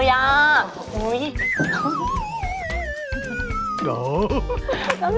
น้ำลายใหญ่เลย